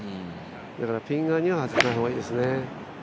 だからピン側には外さない方がいいですね。